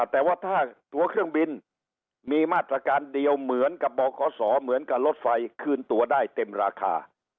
แต่ว่าถ้าตัวเครื่องบินมีมาตรการเดียวเหมือนกับบอกขอสอเหมือนกับรถไฟคืนตัวได้เต็มราคา